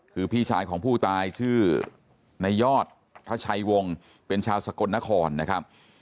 คือพี่ชายของผู้ตายชื่อในยอดทชัยวงศ์เป็นชาวสกลนครนะครับ